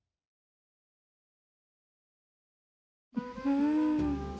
うん。